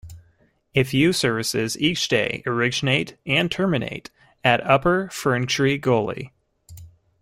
A few services each day originate and terminate at Upper Ferntree Gully.